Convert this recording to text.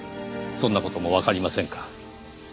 そんな事もわかりませんか？